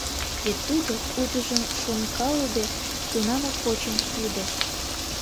Вет тудо, утыжым шонкалыде, тунамак почын лудеш.